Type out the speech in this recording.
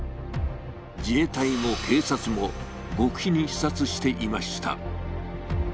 自衛隊も警察も、極秘に視察していました。